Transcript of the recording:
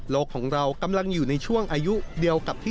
ของเรากำลังอยู่ในช่วงอายุเดียวกับที่